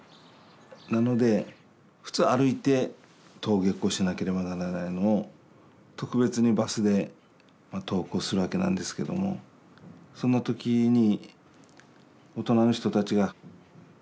なので普通歩いて登下校しなければならないのを特別にバスで登校するわけなんですけどもそんな時に大人の人たちがそうすると